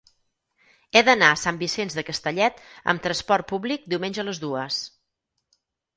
He d'anar a Sant Vicenç de Castellet amb trasport públic diumenge a les dues.